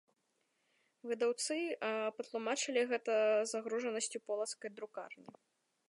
Выдаўцы патлумачылі гэта загружанасцю полацкай друкарні.